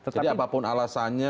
jadi apapun alasannya